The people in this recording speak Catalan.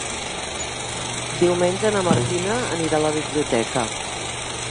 Diumenge na Martina anirà a la biblioteca.